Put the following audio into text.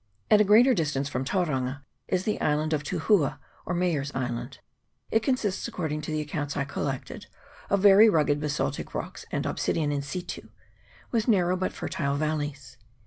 At a greater distance from Tauranga is the island of Tuhua, or Mayor's Island. It consists, according to the accounts I collected, of very rugged basaltic rocks and obsidian in situ, with narrow but fertile valleys.